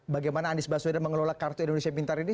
bagaimana anies baswedan mengelola kartu indonesia pintar ini